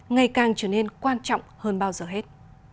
ngày càng trở nên quan trọng hơn bao giờ hết